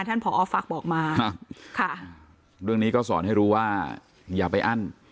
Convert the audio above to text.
ผอฝากบอกมาครับค่ะเรื่องนี้ก็สอนให้รู้ว่าอย่าไปอั้น